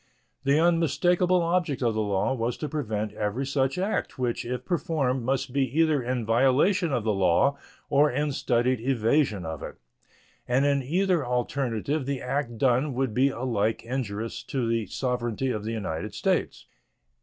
The unmistakable object of the law was to prevent every such act which if performed must be either in violation of the law or in studied evasion of it, and in either alternative the act done would be alike injurious to the sovereignty of the United States.